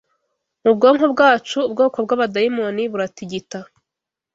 Mu bwonko bwacu ubwoko bw'Abadayimoni buratigita